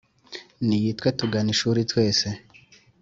ni yitwe tuganishuri twese